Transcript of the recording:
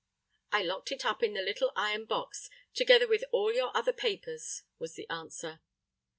"I locked it up in the little iron box, together with all your other papers," was the answer.